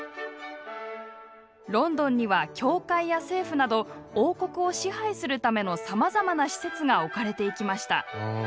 ロンドンには教会や政府など王国を支配するためのさまざまな施設が置かれていきました。